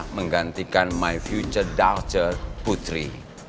menggantikan my future darture putri